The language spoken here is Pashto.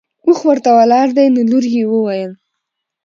اوښ ورته ولاړ دی نو لور یې وویل.